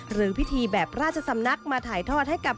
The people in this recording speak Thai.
หรือพิธีแบบราชสำนักมาถ่ายทอดให้กับ